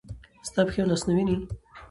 ستا پښې او لاسونه وینې ؟